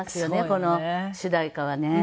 この主題歌はね。